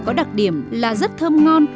có đặc điểm là rất thơm ngon